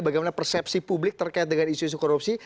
bagaimana persepsi publik terkait dengan isu isu korupsi